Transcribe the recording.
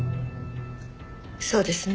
そうですね。